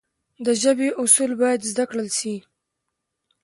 د ژبي اصول باید زده کړل سي.